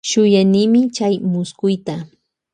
Shuyanimi chay muskuyta.